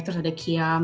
terus ada kiam